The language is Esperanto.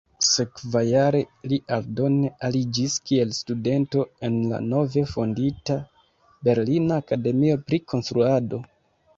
Sekvajare li aldone aliĝis kiel studento en la nove fondita Berlina Akademio pri Konstruado.